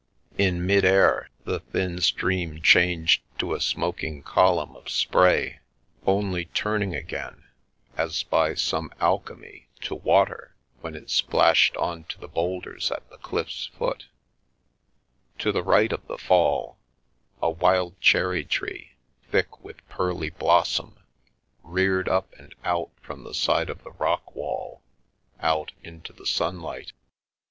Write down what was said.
In mid air, the thin stream changed to a smoking column of spray, The Milky Way only turning again, as by some alchemy, to water, wnen it splashed on to the boulders at the cliff's foot To the right of the fall, a wild cherry tree, thick with pearly blossom, reared up and out from the side of the rock wall, out into the sunlight.